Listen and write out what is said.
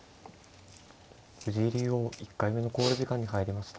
藤井竜王１回目の考慮時間に入りました。